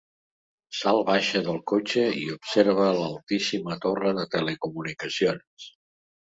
Sal baixa del cotxe i observa l'altíssima torre de telecomunicacions.